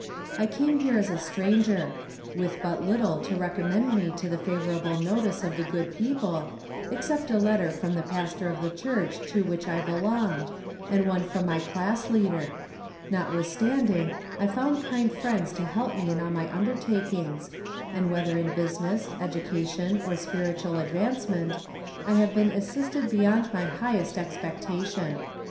I came here a stranger, with but little to recommend me to the favorable notice of the good people, except a letter from the Pastor of the church to which I belonged, and one from my class leader notwithstanding, I found kind friends to help me in all my undertakings, and whether in business, education, or spiritual advancement, I have been assisted beyond my highest expectation.